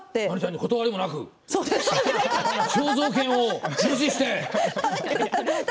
断わりもなく肖像権を無視して？